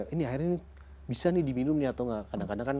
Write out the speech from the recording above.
ini airnya bisa di diminum nih atau enggak